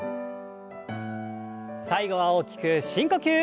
最後は大きく深呼吸。